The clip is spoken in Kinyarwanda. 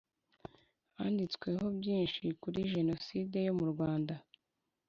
handitswe byinshi kuri jenoside yo mu Rwanda